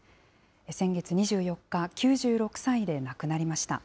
先月２４日、９６歳で亡くなりま